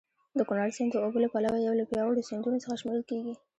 د کونړ سیند د اوبو له پلوه یو له پیاوړو سیندونو څخه شمېرل کېږي.